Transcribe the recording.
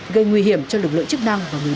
gây nguy hiểm cho lực lượng chức năng